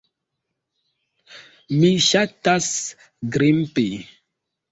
Mi ŝatas grimpi.